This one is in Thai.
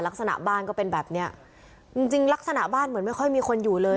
ลักษณะบ้านก็เป็นแบบเนี้ยจริงจริงลักษณะบ้านเหมือนไม่ค่อยมีคนอยู่เลย